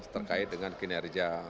terkait dengan kinerja